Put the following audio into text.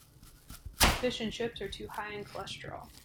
Fish and chips are too high in cholesterol.